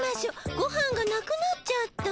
ごはんがなくなっちゃった。